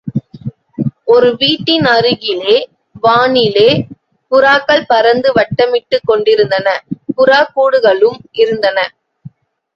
ஒரு வீட்டின் அருகிலே, வானிலே புறாக்கள் பறந்து வட்டமிட்டுக் கொண்டிருந்தன, புறாக்கூடுகளும் இருந்தன.